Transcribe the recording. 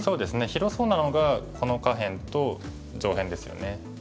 広そうなのがこの下辺と上辺ですよね。